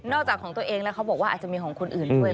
จากของตัวเองแล้วเขาบอกว่าอาจจะมีของคนอื่นด้วย